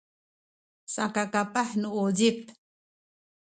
saka kapah nu uzip